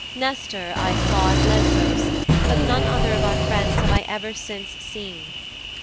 Nestor I saw at Lesbos, but none other of our friends have I ever since seen.